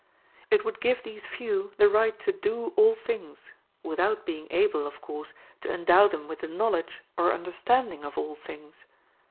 It would give these few the right to do all things, without being able, of course, to endow them with the knowledge or understanding of all things.